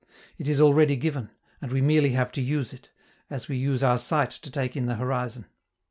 It is already given, and we merely have to use it, as we use our sight to take in the horizon.